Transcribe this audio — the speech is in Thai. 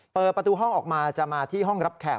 เปิดประตูห้องออกมาจะมาที่ห้องรับแขก